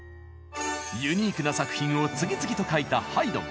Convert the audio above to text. ユニークな作品を次々と書いたハイドン。